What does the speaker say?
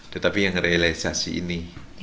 tetapi yang realisasi ini